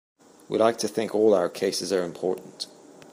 We like to think all our cases are important.